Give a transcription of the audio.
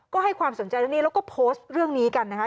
ก็ให้ความสนใจเรื่องนี้แล้วก็โพสต์เรื่องนี้กันนะคะ